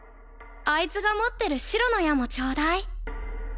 あいつが持ってる白の矢もちょうだい